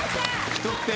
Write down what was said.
人って。